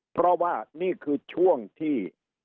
เพราะว่านี่คือช่วงที่